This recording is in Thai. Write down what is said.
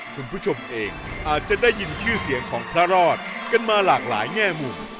คุณผู้ชมเองอาจจะได้ยินชื่อเสียงของพระรอดกันมาหลากหลายแง่มุม